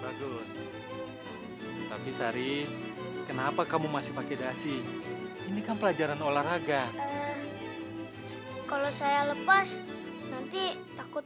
bagus tapi sari kenapa kamu masih pakai dasi ini kan pelajaran olahraga kalau saya lepas nanti takut